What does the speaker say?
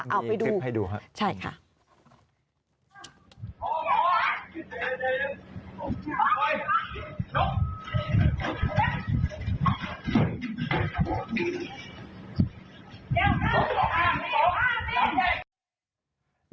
เอาไปดูใช่ค่ะมีคลิปให้ดูครับ